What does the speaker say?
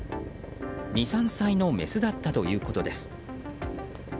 ２３歳のメスだったということです。